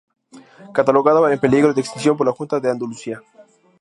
Catalogada en peligro de extinción por la Junta de Andalucía.